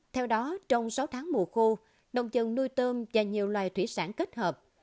theo đó trong sáu tháng mùa khô đồng dân nuôi tôm và nhiều loài thủy sản kết hợp